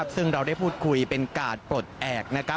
ซึ่งเราได้พูดคุยเป็นกาดปลดแอบ